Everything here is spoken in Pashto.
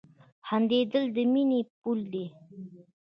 • خندېدل د مینې پل دی.